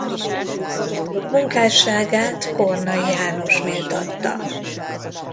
Munkásságát Kornai János méltatta.